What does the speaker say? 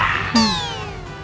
jangan bikin cemburu dong abang oya